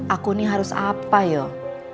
aku ini harus apa yuk